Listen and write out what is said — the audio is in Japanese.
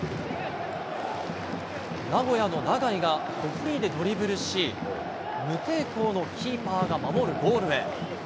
名古屋の永井がどフリーでドリブルし、無抵抗のキーパーが守るゴールへ。